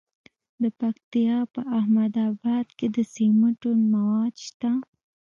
د پکتیا په احمد اباد کې د سمنټو مواد شته.